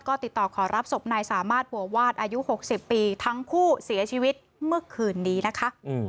ก็ติดต่อขอรับศพนายสามารถบัววาดอายุ๖๐ปีทั้งคู่เสียชีวิตเมื่อคืนนี้นะคะ